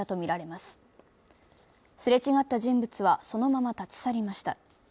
すれ違った人物は、そのまま立ち去りました。